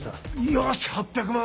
よし８００万！